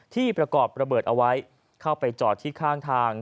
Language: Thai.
ที่ประกอบระเบิดเอาไว้เข้าไปจอดที่ข้างทาง